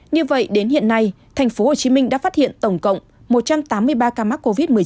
như vậy đến hiện nay tp hcm đã phát hiện tổng cộng một trăm tám mươi ba ca mắc covid một mươi chín